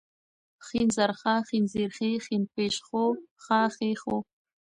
ښ زر ښا، ښېن زير ښې ، ښين پيښ ښو ، ښا ښې ښو